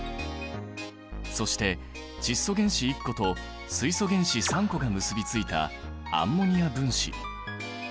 そして窒素原子１個と水素原子３個が結びついたアンモニア分子。